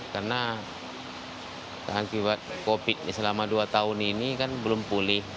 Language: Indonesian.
karena terkibat covid sembilan belas selama dua tahun ini belum pulih